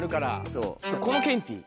そうこのケンティー。